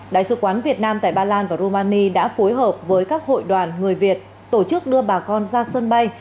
đại sứ quán việt nam tại ba lan và rumani đã phối hợp với các hội đoàn người việt tổ chức đưa bà con ra sân bay